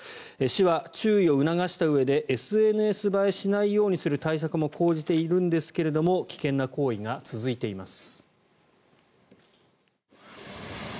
市は注意を促したうえでＳＮＳ映えしないようにする対策を講じているんですが危険な行為が続いています。